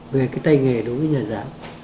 về cái tay nghề đối với nhà giáo